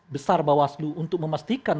besar bawaslu untuk memastikan